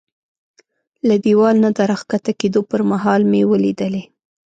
له دېوال نه د را کښته کېدو پر مهال مې ولیدلې.